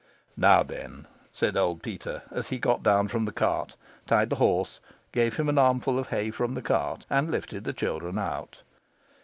"Now then," said old Peter, as he got down from the cart, tied the horse, gave him an armful of hay from the cart, and lifted the children out.